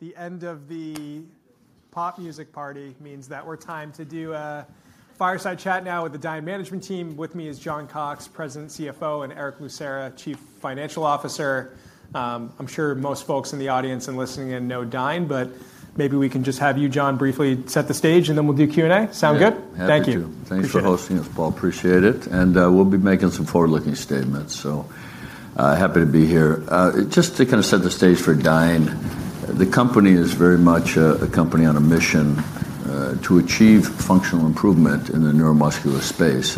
The end of the pop music party means that we're time to do a fireside chat now with the Dyne management team. With me is John Cox, President, and Erick Lucera, Chief Financial Officer. I'm sure most folks in the audience and listening in know Dyne, but maybe we can just have you, John, briefly set the stage and then we'll do Q and A. Sound good. Thank you. Thanks for hosting us, Paul. Appreciate it. We'll be making some forward looking statements. Happy to be here. Just to kind of set the stage for Dyne. The company is very much a company on a mission to achieve functional improvement in the neuromuscular space.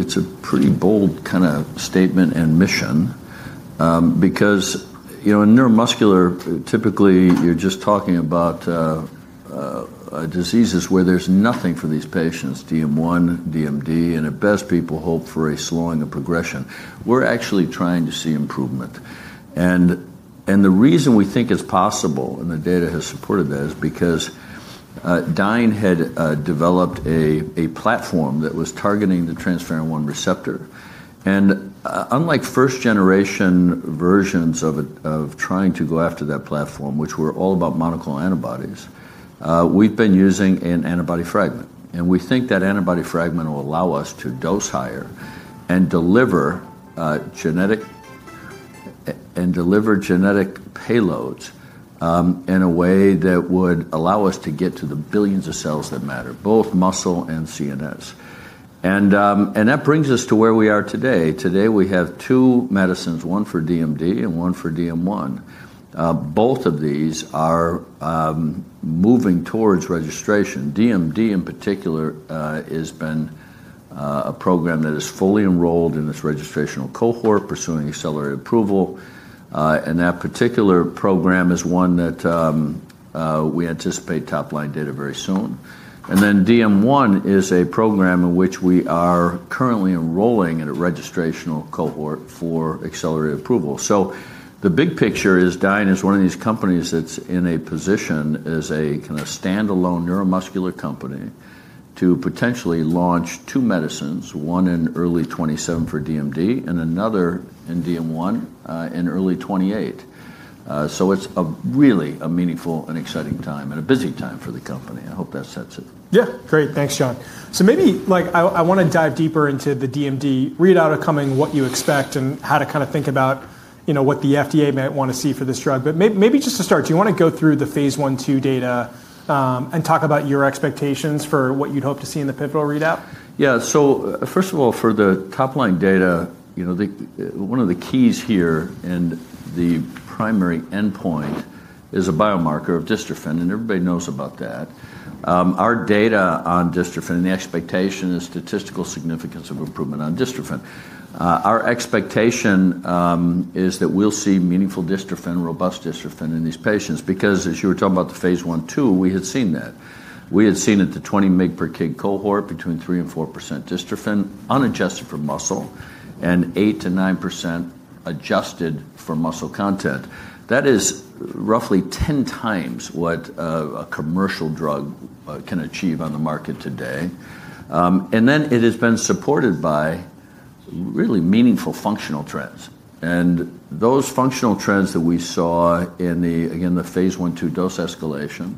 It's a pretty bold kind of statement and mission because, you know, in neuromuscular, typically you're just talking about diseases where there's nothing for these patients, DM1, DMD and at best, people hope for a slowing of progression. We're actually trying to see improvement and the reason we think it's possible, and the data has supported that, is because Dyne had developed a platform that was targeting the transferrin receptor 1. Unlike first generation versions of trying to go after that platform, which were all about monoclonal antibodies, we've been using an antibody fragment and we think that antibody fragment will allow us to dose higher and deliver genetic payloads in a way that would allow us to get to the billions of cells that matter, both muscle and CNS. That brings us to where we are today. Today we have two medicines, one for DMD and one for DM1. Both of these are moving towards registration. DMD in particular has been a program that is fully enrolled in this registrational cohort pursuing accelerated approval. That particular program is one that we anticipate top line data very soon. DM1 is a program in which we are currently enrolling in a registrational cohort for accelerated approval. The big picture is Dyne is one of these companies that's in a position as a kind of standalone neuromuscular company to potentially launch two medicines, one in early 2027 for DMD and another in DM1 in early 2028. It's a really meaningful and exciting time and a busy time for the company. I hope that sets it. Yeah, great. Thanks, John. Maybe like, I want to dive deeper into the DMD readout coming, what you expect and how to kind of think about, you know, what the FDA might want to see for this drug. Maybe just to start, do you want to go through the phase 1/2 data and talk about your expectations for what you'd hope to see in the pivotal readout. Yeah. First of all, for the top line data, you know, one of the keys here, and the primary endpoint is a biomarker of dystrophin, and everybody knows about that. Our data on dystrophin and the expectation is statistical significance of improvement on dystrophin. Our expectation is that we'll see meaningful dystrophin, robust dystrophin in these patients. Because as you were talking about the phase 1 2, we had seen, that we had seen at the 20 mg per kg cohort, between 3-4% dystrophin unadjusted for muscle, and 8-9% adjusted for muscle content, that is roughly 10 times what a commercial drug can achieve on the market today. It has been supported by really meaningful functional trends. Those functional trends that we saw in the, again, the phase 1/2 dose escalation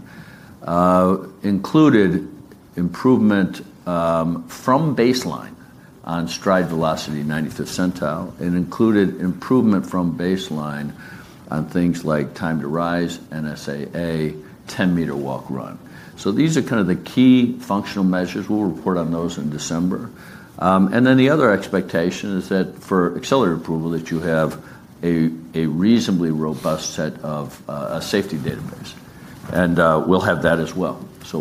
included improvement from baseline on stride velocity 95th centile, and included improvement from baseline on things like time to rise, NSAA, 10 meter walk/run. These are kind of the key functional measures. We'll report on those in December. The other expectation is that for accelerated approval you have a reasonably robust set of safety database, and we'll have that as well.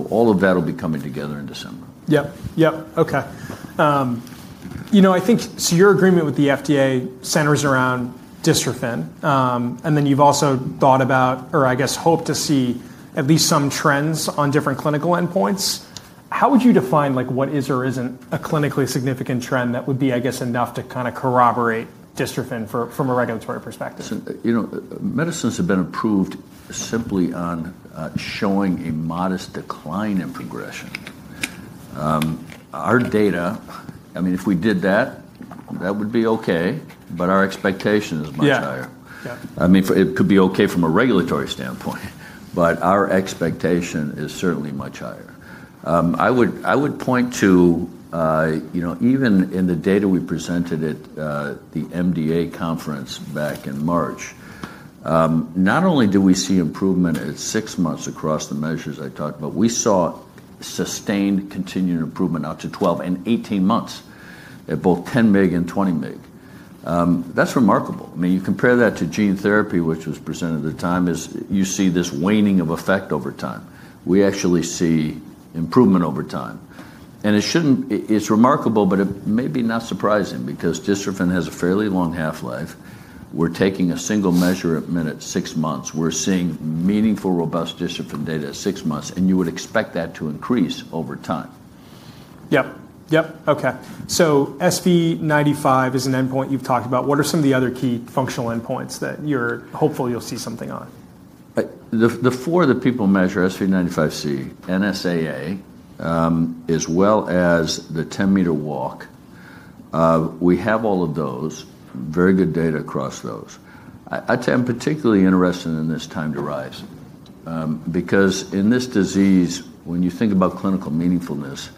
All of that will be coming together in December. Yep. Yep. Okay. You know, I think your agreement with the FDA centers around dystrophin. And then you've also thought about, or I guess hope to see at least some trends on different clinical endpoints. How would you define, like, what is or isn't a clinically significant trend? That would be, I guess, enough to kind of corroborate dystrophin from a regulatory perspective. You know, medicines have been approved simply on showing a modest decline in progression. Our data, I mean, if we did that, that would be okay, but our expectation is much higher. I mean, it could be okay from a regulatory standpoint, but our expectation is certainly much higher. I would point to, you know, even in the data we presented at the MDA conference back in March, not only do we see improvement at six months across the measures I talked about, we saw sustained continued improvement out to 12 and 18 months at both 10 mg and 20 mg. That's remarkable. I mean, you compare that to gene therapy which was presented at the time is you see this waning of effect over time. We actually see improvement over time, and it shouldn't. It's remarkable. It may be not surprising because dystrophin has a fairly long half life. We're taking a single measurement at six months. We're seeing meaningful robust dystrophin data at six months. You would expect that to increase over time? Yep, yep. Okay, so SV95 is an endpoint you've talked about. What are some of the other key findings, functional endpoints that you're hopeful you'll. See something on the floor that people measure, SV95C, NSAA as well as the 10 meter walk, we have all of those, very good data across those. I'm particularly interested in this time to rise because in this disease, when you think about clinical meaningfulness,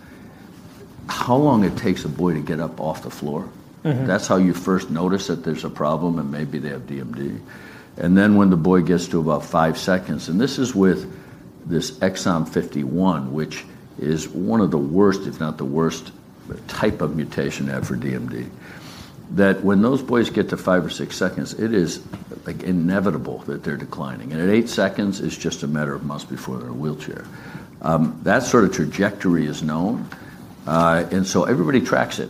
how long it takes a boy to get up off the floor, that's how you first notice that there's a problem and maybe they have DMD. When the boy gets to about five seconds, and this is with this Exon 51, which is one of the worst, if not the worst type of mutation for DMD, when those boys get to five or six seconds, it is inevitable that they're declining. At eight seconds, it's just a matter of months before they're in a wheelchair. That sort of trajectory is known and so everybody tracks it.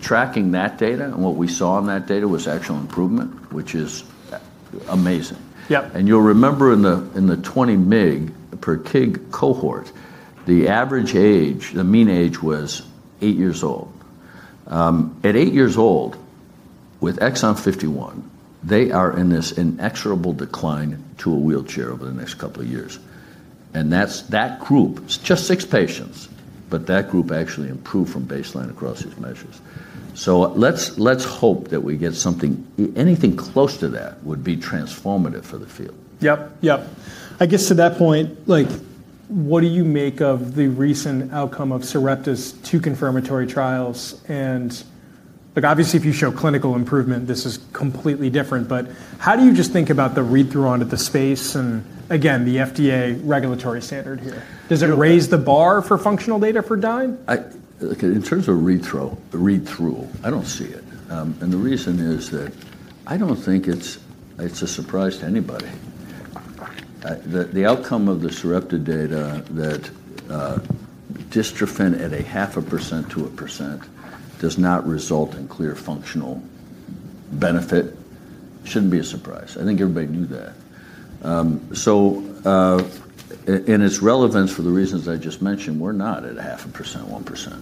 Tracking that data and what we saw in that data was actual improvement, which is amazing. You'll remember in the 20 mg/kg cohort, the average age, the mean age was 8 years old. At 8 years old with Exon 51, they are in this inexorable decline to a wheelchair over the next couple of years. That group, it's just six patients, but that group actually improved from baseline across these measures. Let's hope that we get something, anything close to that would be transformative for the field. Yep, yep. I guess to that point, like, what do you make of the recent outcome of SAPTIS2 confirmatory trials? And like obviously if you show clinical improvement, this is completely different. But how do you just think about the read through onto the space and again, the FDA regulatory standard here, does it raise the bar for functional data? For Dyne in terms of read through? Read through? I do not see it. The reason is that I do not think it is a surprise to anybody, the outcome of the Sarepta data, that dystrophin at a half a percent to 1% does not result in clear functional benefit should not be a surprise. I think everybody knew that. In its relevance, for the reasons I just mentioned, we are not at a half a percent, 1%,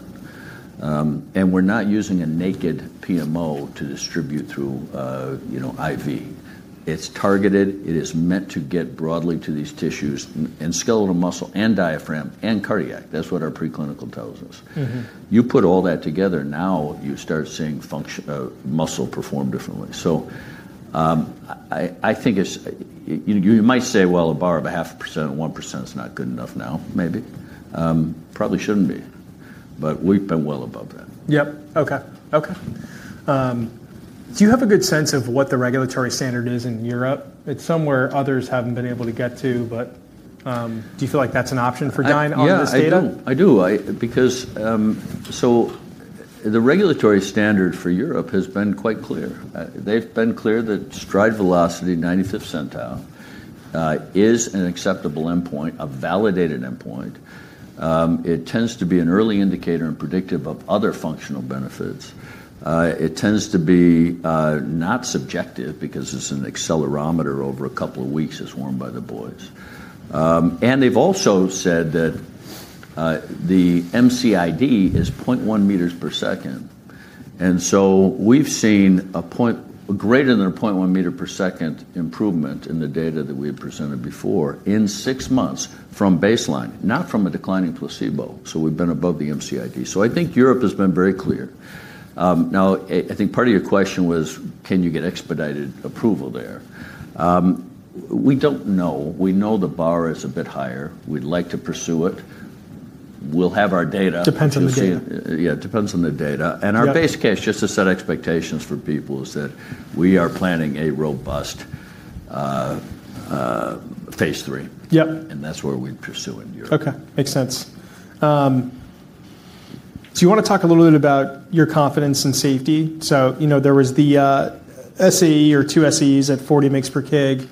and we are not using a naked PMO to distribute through, you know, IV. It is targeted. It is meant to get broadly to these tissues and skeletal muscle and diaphragm and cardiac. That is what our preclinical thousands. You put all that together, now you start seeing function muscle perform differently. I think it is. You might say, well, a bar of a half percent, 1% is not good enough now, maybe, probably should not be, but we have been well above that. Yep. Okay. Okay. Do you have a good sense of what the regulatory standard is in Europe? It's somewhere others haven't been able to get to. Do you feel like that's an option for Dyne on this data? Yeah, I don't. I do, because. The regulatory standard for Europe has been quite clear. They've been clear that stride velocity 95th centile is an acceptable endpoint, a validated endpoint. It tends to be an early indicator and predictive of other functional benefits. It tends to be not subjective because it's an accelerometer over a couple of weeks, as worn by the boys. They've also said that the MCID is 0.1 meters per second. We've seen a point greater than a 0.1 meter per second improvement in the data that we had presented before in six months from baseline, not from a declining placebo. We've been above the MCID. I think Europe has been very clear. I think part of your question was, can you get expedited approval there? We don't know. We know the bar is a bit higher. We'd like to pursue it. We'll have our data. Depends on the data. Yeah, it depends on the data. Our base case, just to set expectations for people, is that we are planning a robust phase three. Yep. That's where we'd pursue in Europe. Okay, makes sense. You want to talk a little bit about your confidence in safety. You know, there was the SAE or two SAEs at 40 mg per kg.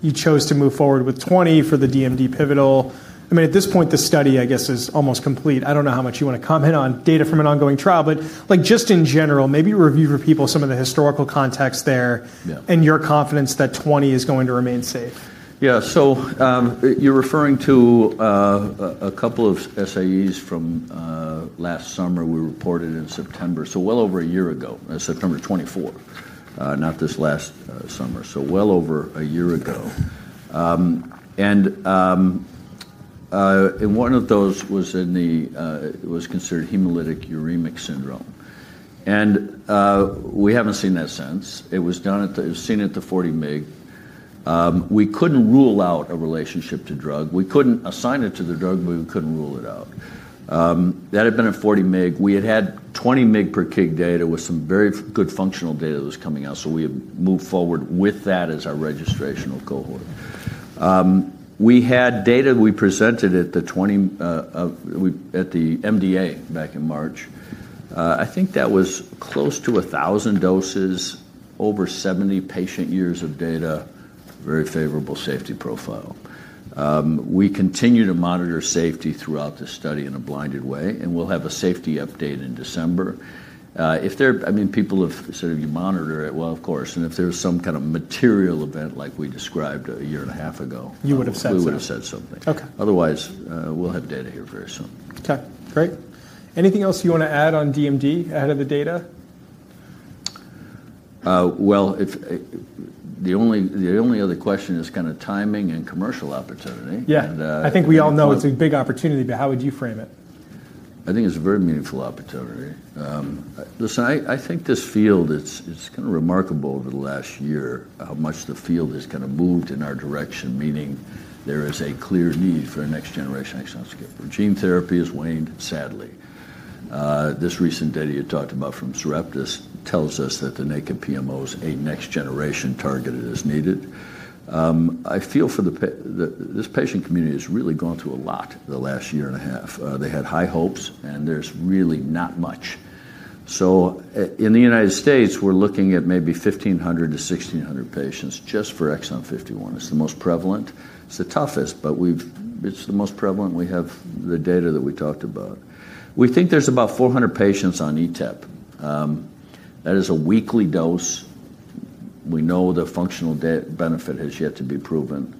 You chose to move forward with 20 for the DMD pivotal. I mean, at this point, the study, I guess, is almost complete. I don't know how much you want to comment on data from an ongoing trial, but, like, just in general, maybe review for people some of the historical context there and your confidence that 20 is going to remain safe. Yeah. So you're referring to a couple of SAEs from last summer. We reported in September, so well over a year ago, September 24, not this last summer. So well over a year ago. One of those was considered hemolytic uremic syndrome. We haven't seen that since. It was seen at the 40 mg. We couldn't rule out a relationship to drug. We couldn't assign it to the drug, but we couldn't rule it out. That had been at 40 mg. We had had 20 mg per kg data with some very good functional data that was coming out. We moved forward with that as our registrational cohort. We had data we presented at the MDA back in March. I think that was close to 1,000 doses. Over 70 patient years of data. Very favorable safety profile. We continue to monitor safety throughout the study in a blinded way and we'll have a safety update in December. If there, I mean people have said if you monitor it. Of course. And if there's some kind of material event like we described a year and a half ago, you would have said so. We would have said so. Otherwise, we'll have data here very soon. Okay, great. Anything else you want to add on DMD ahead of the data? The only other question is kind of timing and commercial opportunity. Yeah, I think we all know it's a big opportunity, but how would you frame it? I think it's a very meaningful opportunity. Listen, I think this field, it's kind of remarkable over the last year how much the field has kind of moved in our direction. Meaning there is a clear need for next generation exon skipping. Gene therapy has waned, sadly. This recent data you talked about from Sarepta tells us that the next generation PMO is a targeted as needed. I feel for the, this patient community has really gone through a lot the last year and a half. They had high hopes and there's really not much. In the United States we're looking at maybe 1,500 to 1,600 patients just for Exon 51. It's the most prevalent. It's the toughest, but it's the most prevalent. We have the data that we talked about. We think there's about 400 patients on Eteplirsen. That is a weekly dose. We know the functional benefit has yet to be proven.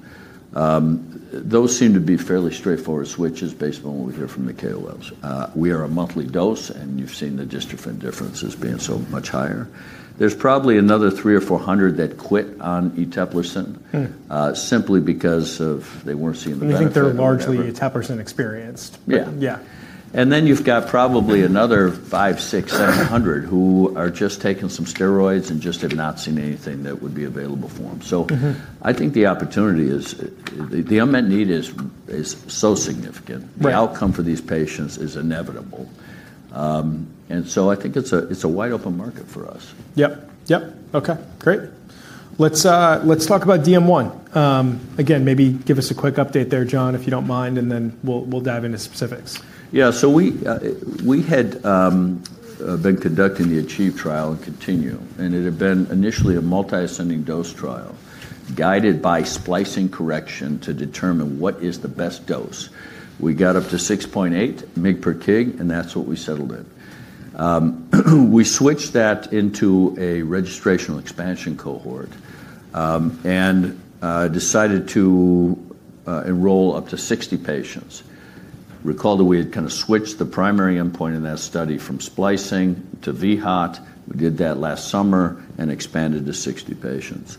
Those seem to be fairly straightforward switches. Based on what we hear from the KOLs. We are a monthly dose and you've seen the dystrophin differences being so much higher. There's probably another 300 or 400 that quit on Eteplirsen simply because they weren't seeing the. I think they're largely Eteplirsen experienced. Yeah, yeah. You have probably another 5, 6, 700 who are just taking some steroids and just have not seen anything that would be available for them. I think the opportunity is the unmet need is so significant, the outcome for these patients is inevitable. I think it is a wide open market for us. Yep. Yep. Okay, great. Let's talk about DM1 again. Maybe give us a quick update there, John, if you don't mind, and then we'll dive into specifics. Yeah. We had been conducting ACHIEVE trial and continue, and it had been initially a multi-ascending dose trial guided by splicing correction to determine what is the best dose. We got up to 6.8 mg per kg, and that's what we settled in. We switched that into a registration expansion cohort and decided to enroll up to 60 patients. Recall that we had kind of switched the primary endpoint in that study from splicing to VHAT. We did that last summer and expanded to 60 patients.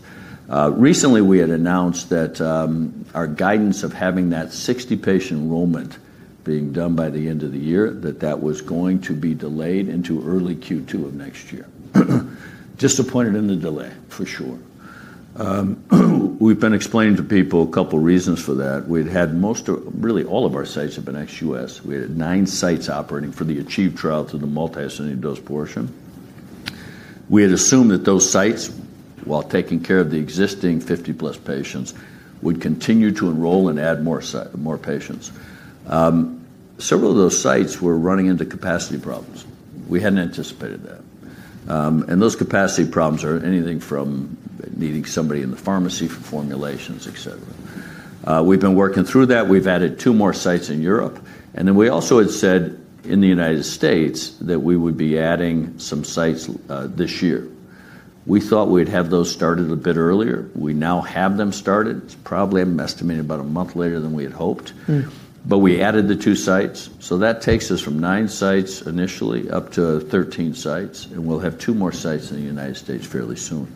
Recently, we had announced that our guidance of having that 60-patient enrollment being done by the end of the year, that that was going to be delayed into early Q2 of next year. Disappointed in the delay for sure. We've been explaining to people a couple reasons for that. We'd had most, really all, of our sites have been. We had nine sites operating for ACHIEVE trial through the multi-ascended dose portion. We had assumed that those sites, while taking care of the existing 50-plus patients, would continue to enroll and add more patients. Several of those sites were running into capacity problems. We hadn't anticipated that. Those capacity problems are anything from needing somebody in the pharmacy for formulations, etc. We've been working through that. We've added two more sites in Europe, and then we also had said in the United States that we would be adding some sites this year. We thought we'd have those started a bit earlier. We now have them started, probably, I'm estimating, about a month later than we had hoped. We added the two sites. That takes us from nine sites initially up to 13 sites and we'll have two more sites in the U.S. fairly soon.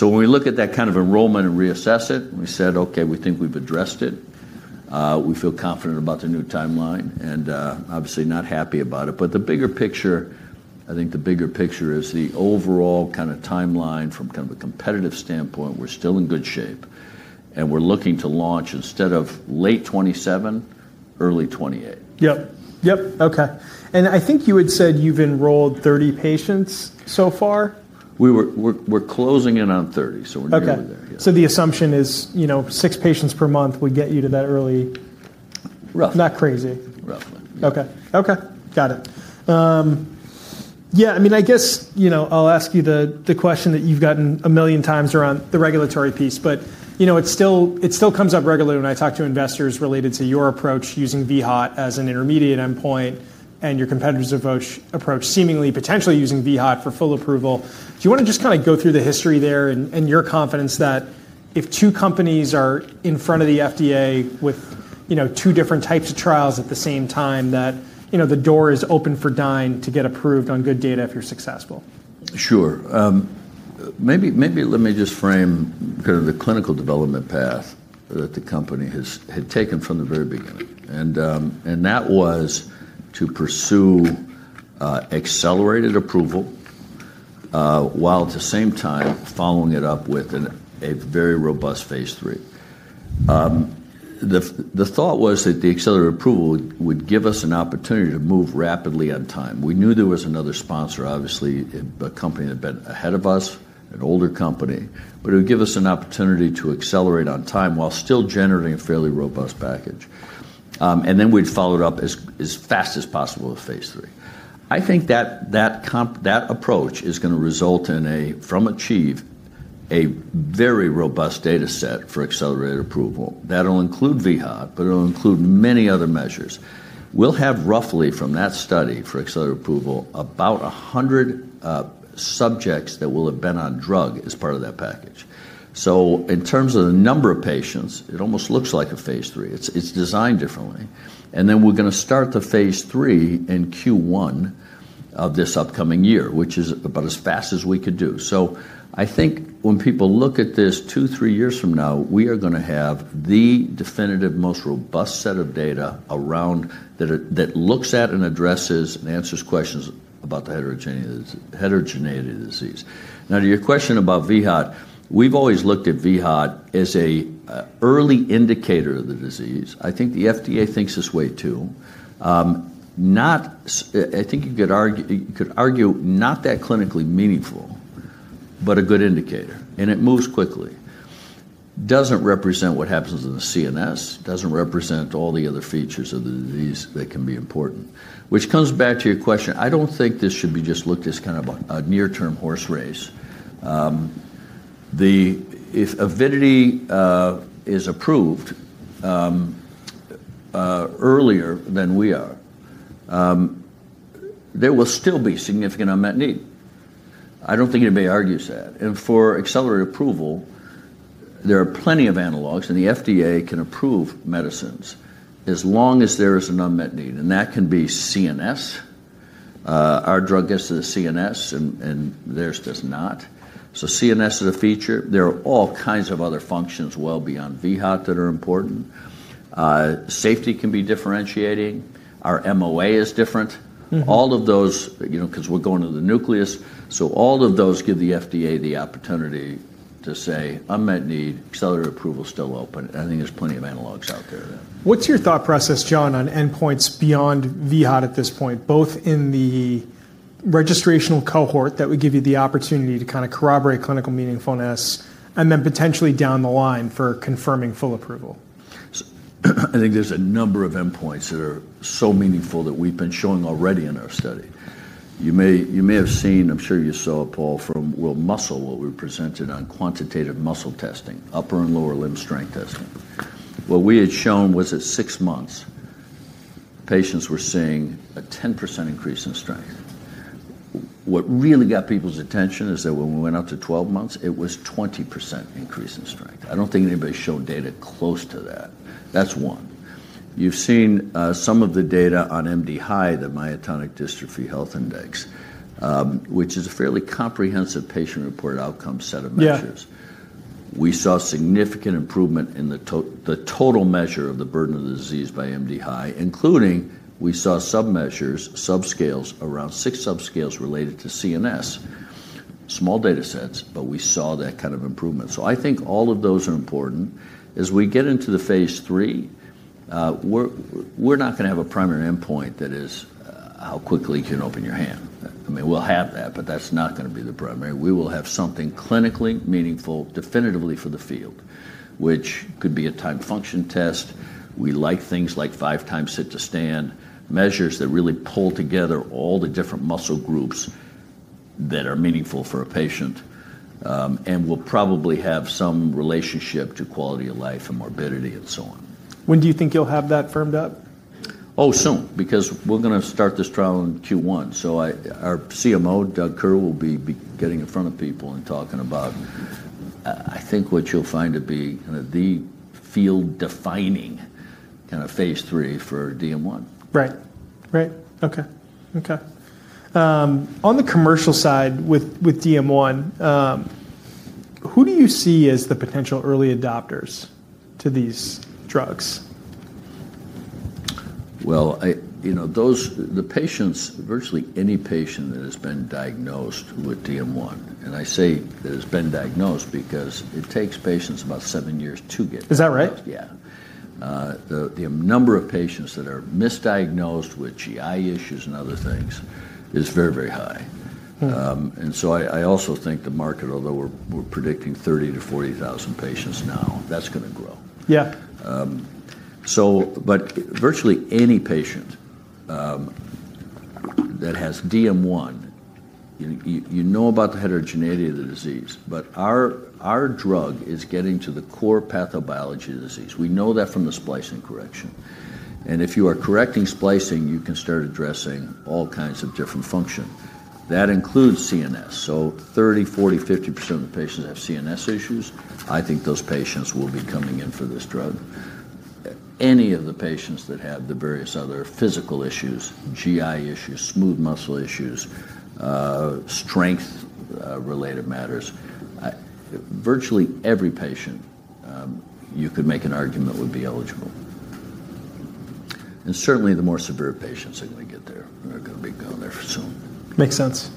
When we look at that kind of enrollment and reassess it, we said okay, we think we've addressed it, we feel confident about the new timeline and obviously not happy about it. The bigger picture, I think the bigger picture is the overall, kind of timeline, from kind of a competitive standpoint, we're still in good shape and we're looking to launch instead of late 2027, early 2028. Yep, yep. Okay. I think you had said you've enrolled 30 patients so far. We were. We're closing in on 30, so we're there. The assumption is, you know, six patients per month would get you to that early, rough, not crazy, roughly. Okay, okay, got it. Yeah. I mean, I guess, you know, I'll ask you the question that you've gotten a million times around the regulatory piece, but, you know, it still comes up regularly when I talk to investors related to your approach using VHAT as an intermediate endpoint and your competitors' approach seemingly potentially using VHAT for full approval. Do you want to just kind of go through the history there and your confidence that if two companies are in front of the FDA with, you know, two different types of trials at the same time, that, you know, the door is open for Dyne to get approved on good data if you're successful? Sure, maybe. Maybe. Let me just frame kind of the clinical development path that the company had taken from the very beginning, and that was to pursue accelerated approval while at the same time following it up with a very robust phase three. The thought was that the accelerated approval would give us an opportunity to move rapidly on time. We knew there was another sponsor, obviously a company that had been ahead of us, an older company, but it would give us an opportunity to accelerate on time while still generating a fairly robust package, and then we'd follow it up as fast as possible with phase three. I think that that comp. That approach is going to result in a from achieve a very robust data set for accelerated approval that will include VHAT, but it will include many other measures. We'll have roughly from that study for accelerated approval, about 100 subjects that will have been on drug as part of that package. In terms of the number of patients, it almost looks like a phase three. It's designed differently. We're going to start the phase three in Q1 of this upcoming year, which is about as fast as we could do. I think when people look at this two, three years from now, we are going to have the definitive, most robust set of data on around that looks at and addresses and answers questions about the heterogeneity of the disease. Now, to your question about VHAT. We've always looked at VHAT as an early indicator of the disease. I think the FDA thinks this way too. I think you could argue not that clinically meaningful, but a good indicator and it moves quickly. Doesn't represent what happens in the CNS, doesn't represent all the other features of the disease that can be important. Which comes back to your question. I don't think this should be just looked at as kind of a near term horse race. If Avidity is approved earlier than we are, there will still be significant unmet need. I don't think anybody argues that. For accelerated approval, there are plenty of analogs and the FDA can approve medicines as long as there is an unmet need. That can be CNS. Our drug gets to the CNS and theirs does not. CNS is a feature. There are all kinds of other functions, well beyond VHAT, that are important. Safety can be differentiating. Our MOA is different. All of those, you know, because we're going to the nucleus. All of those give the FDA the opportunity to say unmet need. Accelerator approval still open. I think there's plenty of analogues out there. What's your thought process, John, on endpoints beyond VHAT at this point, both in the registrational cohort that would give you the opportunity to kind of corroborate clinical meaningfulness and then potentially down the line for confirming full approval? I think there's a number of endpoints that are so meaningful that we've been showing already in our study. You may have seen, I'm sure you saw, Paul from World Muscle, what we presented on quantitative muscle testing, upper and lower limb strength testing. What we had shown was at six months, patients were seeing a 10% increase in strength. What really got people's attention is that when we went up to 12 months, it was 20-20% increase in strength. I don't think anybody showed data close to that. That's one. You've seen some of the data on MDHI, the Myotonic Dystrophy Health Index, which is a fairly comprehensive patient reported outcome set of measures. We saw significant improvement in the total measure of the burden of the disease by MDHI, including. We saw sub measures, subscales, around six subscales related to CNS small data sets. We saw that kind of improvement. I think all of those are important. As we get into the phase three, we're not going to have a primary endpoint that is how quickly you can open your hand. I mean, we'll have that, but that's not going to be the primary. We will have something clinically meaningful definitively for the field, which could be a time function test. We like things like five times sit to sleep, measures that really pull together all the different muscle groups that are meaningful for a patient and will probably have some relationship to quality of life and morbidity and so on. When do you think you'll have that firmed up? Oh, soon, because we're going to start this trial in Q1, so our CMO, Doug Kerr, will be getting in front of people and talking about, I think, what you'll find to be of the field defining kind of phase three for DM1. Right, right. Okay. Okay. On the commercial side with DM1, who do you see as the potential early adopters to these drugs? You know those. The patients, virtually any patient that has been diagnosed with DM1. I say that it's been diagnosed because it takes patients about seven years to get diagnosed. Is that right? Yeah. The number of patients that are misdiagnosed with GI issues and other things is very, very high. I also think the market, although we're predicting 30,000-40,000 patients now, that's going to grow. Yeah. Virtually any patient that has DM1, you know about the heterogeneity of the disease. Our drug is getting to the core pathobiology of the disease. We know that from the splicing correction. If you are correcting splicing, you can start addressing all kinds of different function. That includes CNS. Thirty, 40, 50% of the patients have CNS issues. I think those patients will be coming in for this drug. Any of the patients that have the various other physical issues, GI issues, smooth muscle issues, strength related matters, virtually every patient you could make an argument would be eligible. Certainly the more severe patients are going to get there. Are going to be going there soon. Makes sense.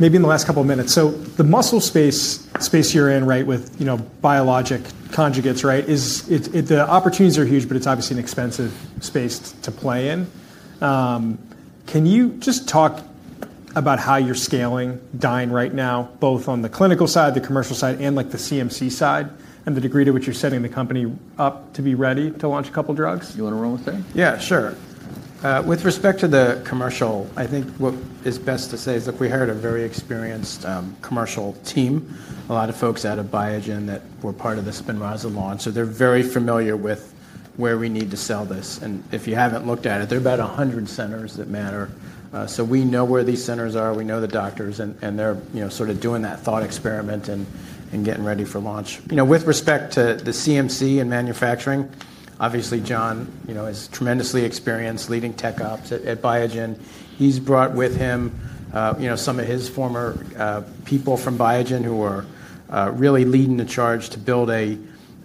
Maybe in the last couple of minutes. The muscle space, space you're in, right, with biologic conjugates, right, the opportunities are huge, but it's obviously an expensive space to play in. Can you just talk about how you're scaling Dyne right now, both on the clinical side, the commercial side, and like the CMC side, and the degree to which you're setting the company up to be ready to launch a couple drugs? You want to roll with that? Yeah, sure. With respect to the commercial, I think what is best to say is that we hired a very experienced commercial team, a lot of folks out of Biogen that were part of the Spinraza launch. They are very familiar with where we need to sell this. If you have not looked at it, there are about 100 centers that matter. We know where these centers are. We know the doctors, and they are sort of doing that thought experiment and getting ready for launch. With respect to the CMC and manufacturing, obviously, John, you know, is tremendously experienced, leading tech ops at Biogen. He has brought with him, you know, some of his former people from Biogen who are really leading the charge to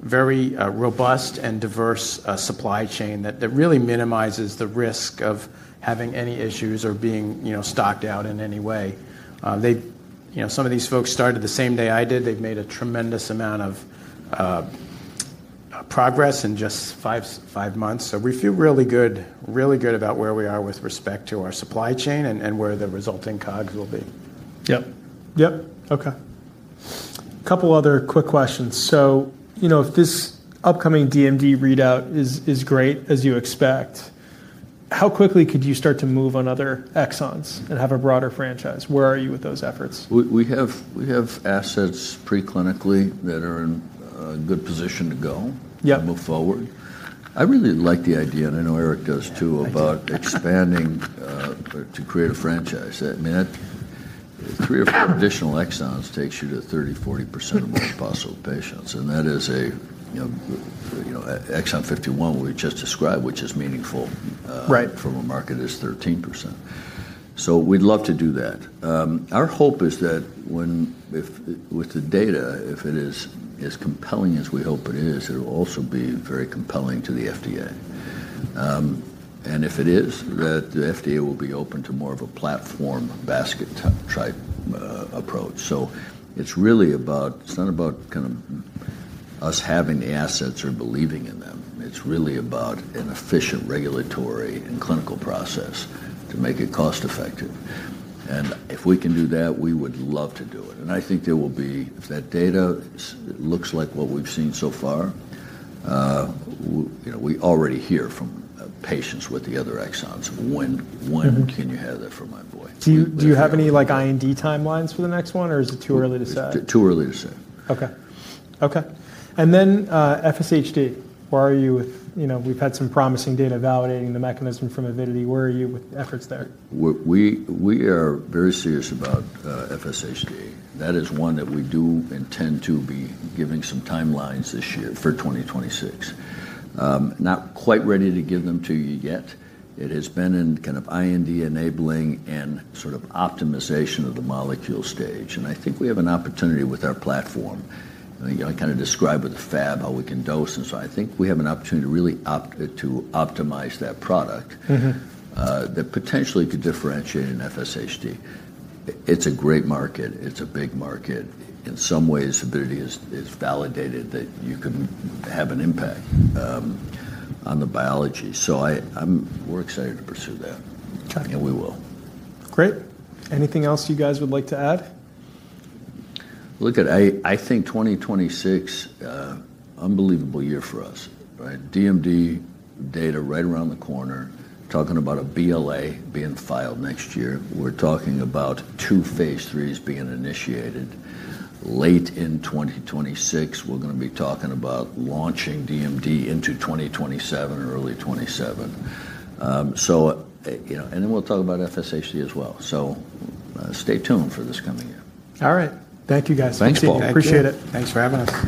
build a very robust and diverse supply chain that really minimizes the risk of having any issues or being, you know, stocked out in any way. They, you know, some of these folks started the same day I did. They've made a tremendous amount of progress in just five months. We feel really good, really good about where we are with respect to our supply chain and where the resulting cogs will be. Yep, yep. Okay. Couple other quick questions. You know, if this upcoming DMD readout is great, as you expect, how quickly could you start to move on other exons and have a broader franchise? Where are you with those efforts? We have assets preclinically that are in a good position to move forward. I really like the idea, and I know Eric does too, about expanding to create a franchise. Three or four additional exons takes you to 30-40% of all possible patients. And that is a, you know, Exon 51 we just described, which is meaningful. Right. Market is 13%. We'd love to do that. Our hope is that when with the data, if it is as compelling as we hope it is, it will also be very compelling to the FDA. If it is, that the FDA will be open to more of a platform basket type approach. It is really about, it is not about kind of us having the assets, or believing in them. It is really about an efficient regulatory and clinical process to make it cost effective. If we can do that, we would love to do it. I think there will be. If that data looks like what we've seen so far, you know, we already hear from patients with the other exons. When can you have that for my boy? Do you have any, like, IND timelines for the next one or is it too early to say? Too early to say. Okay, okay. And then FSHD, where are you with? You know, we've had some promising data validating the mechanism from Avidity. Where are you with efforts there? We are very serious about FSHD. That is one that we do intend to be giving some timelines this year for 2026. Not quite ready to give them to you yet. It has been in kind of IND and enabling and sort of optimization of the molecule stage and I think we have an opportunity with our platform. I kind of described with Fab how we can dose and so I think we have an opportunity to really optimize that product that potentially could differentiate in FSHD. It's a great market. It's a big market. In some ways Avidity has validated that you could have an impact on the biology. We are excited to pursue that. We will. Great. Anything else you guys would like to add? Look at, I think, 2026. Unbelievable year for us, right. DMD data right around the corner, talking about a BLA being filed next year. We're talking about two phase threes being initiated late in 2026. We're going to be talking about launching DMD into 2027 or early 2027, and then we'll talk about FSHD as well. Stay tuned for this coming year. All right, thank you guys. Thanks, Paul. I appreciate it. Thanks for having us.